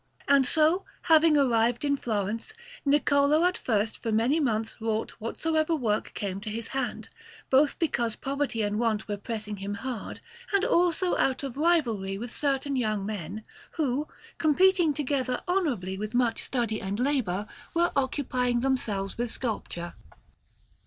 And so, having arrived in Florence, Niccolò at first for many months wrought whatsoever work came to his hand, both because poverty and want were pressing him hard, and also out of rivalry with certain young men, who, competing together honourably with much study and labour, were occupying themselves with sculpture.